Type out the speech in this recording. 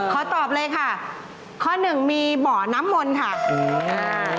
ขอตอบเลยค่ะข้อหนึ่งมีบ่อน้ำมนต์ค่ะ